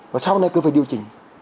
và sau này cứ phải điều chỉnh